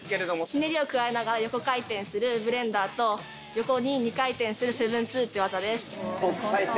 ひねりを加えながら横回転するブレンダーと横に２回転する７２０って技です。